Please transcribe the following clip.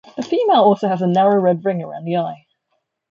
The female also has a narrow red ring around the eye.